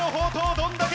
「どんだけ」